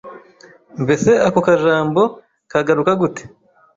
mbese ako kajambo kagaruka gute?